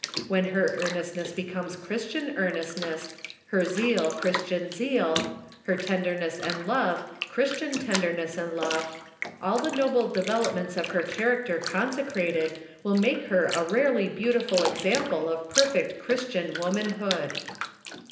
When her earnestness becomes Christian earnest ness, her zeal Christian zeal, her tenderness and love Christian tenderness and love, all the noble developments of her character consecrated, will make her a rarely beautiful example of perfect Christian womanhood